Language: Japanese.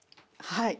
はい。